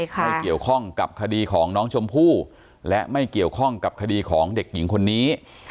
ไม่เกี่ยวข้องกับคดีของน้องชมพู่และไม่เกี่ยวข้องกับคดีของเด็กหญิงคนนี้